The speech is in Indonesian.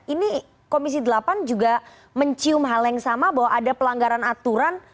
ini komisi delapan juga mencium hal yang sama bahwa ada pelanggaran aturan